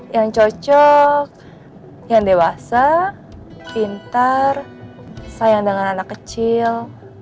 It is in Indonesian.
yang cocok yang dewasa pintar sayang dengan anak kecil